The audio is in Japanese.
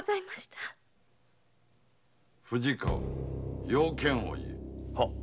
藤川用件を言え。